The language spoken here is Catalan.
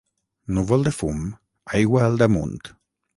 Núvol de fum, aigua al damunt.